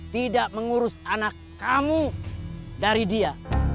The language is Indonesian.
tidak mengurus anak kamu dari dia